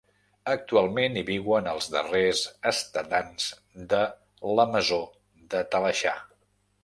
Actualment hi viuen els darrers estadants de la Masó de Talaixà.